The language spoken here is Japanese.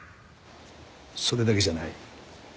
それだけじゃない。